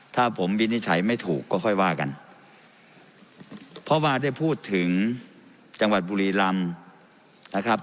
ถ้าผมวินิจฉัยไม่ถูกก็ค่อยว่ากันเพราะว่าได้พูดถึงจังหวัดบุรีลำนะครับ